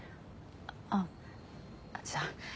あっじゃあ。